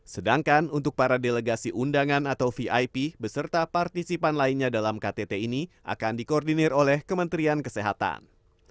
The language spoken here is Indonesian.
sedangkan untuk para delegasi undangan atau vip beserta partisipan lainnya dalam ktt ini akan dikoordinir oleh kementerian kesehatan